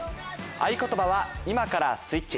合言葉は「今からスイッチ」。